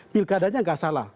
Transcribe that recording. pilkadanya nggak salah